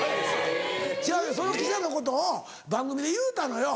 違うねんその記者のことを番組で言うたのよ。